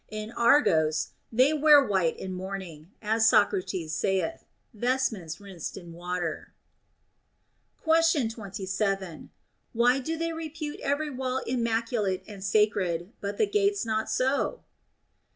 In iVrgos they wear white in mourning, as Socrates saith, vestments rinsed in water. Question 27. Why do they repute every wall immac ulate and sacred, but the gates not so?